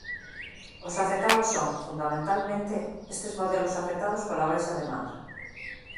Os afectados son, fundamentalmente, estes modelos afectados pola baixa demanda.